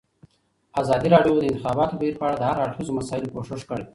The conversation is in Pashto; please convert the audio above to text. ازادي راډیو د د انتخاباتو بهیر په اړه د هر اړخیزو مسایلو پوښښ کړی.